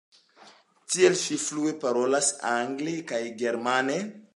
Tiel ŝi flue parolas angle kaj germane.